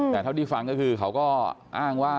แต่เท่าที่ฟังก็คือเขาก็อ้างว่า